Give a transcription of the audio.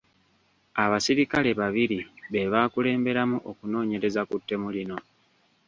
Abasirikale babiri be baakulemberamu okunoonyereza ku ttemu lino.